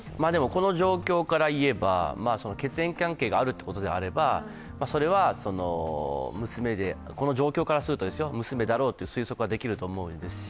この状況からいえば、血縁関係があるということであればこの状況からすると娘だろうという推測はできると思いますし